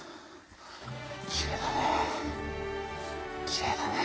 きれいだね。